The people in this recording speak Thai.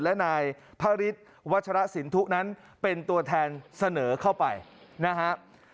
และนายพระฤทธิ์วัชรสินทุนั้นเป็นตัวแทนเสนอเข้าไปนะฮะ